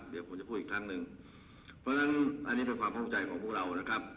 เดี๋ยวผมจะพูดอีกครั้งหนึ่งเพราะฉะนั้นอันนี้เป็นความภูมิใจของพวกเรานะครับ